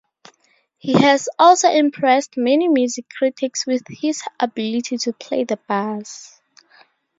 He has also impressed many music critics with his ability to play the bass.